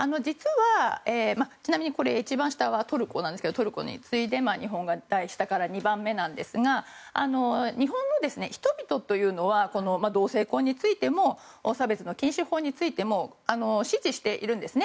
ちなみに一番下はトルコですがトルコに次いで日本が下から２番目なんですが日本の人々というのは同性婚についても差別の禁止法についても支持しているんですね。